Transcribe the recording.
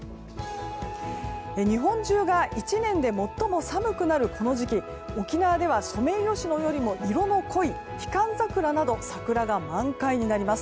日本中が１年で最も寒くなるこの時期沖縄ではソメイヨシノよりも色の濃いヒカンザクラなど桜が満開になります。